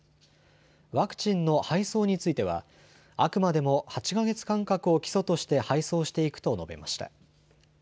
ワクチンの配送については、あくまでも８か月間隔を基礎として配送していくと述べました。